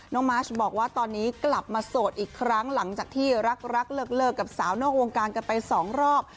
มาชบอกว่าตอนนี้กลับมาโสดอีกครั้งหลังจากที่รักเลิกกับสาวนอกวงการกันไปสองรอบ